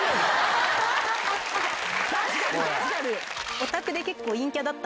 確かに確かに！